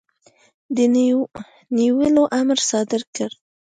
د نیولو امر صادر کړ.